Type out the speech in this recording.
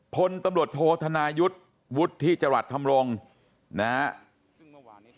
พลตำรวจโทษธนายุทธ์วุฒิที่จังหวัดธรรมรงค์นะฮะ